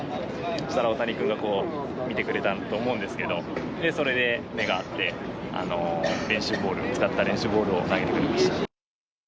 そうしたら大谷君がこう、見てくれたんだと思うんですけど、それで目が合って、練習ボールを、使った練習ボールを投げてくれました。